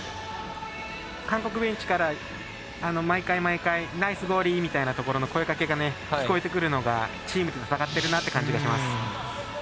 韓国ベンチから毎回ナイスゴーリーみたいなところの声かけが聞こえてくるのがチームで戦ってるなっていう感じがします。